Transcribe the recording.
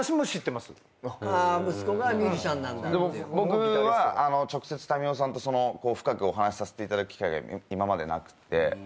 僕は直接民生さんと深くお話させていただく機会が今までなくって。